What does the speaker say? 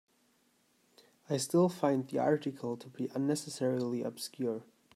I still find the article to be unnecessarily obscure.